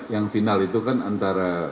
yang final itu kan antara